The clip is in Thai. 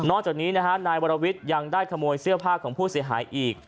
จากนี้นะฮะนายวรวิทย์ยังได้ขโมยเสื้อผ้าของผู้เสียหายอีก